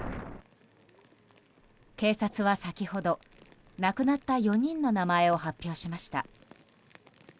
警察は先ほど亡くなった４人の名前を発表しました。